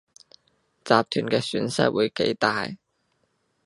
集團嘅損失會幾大？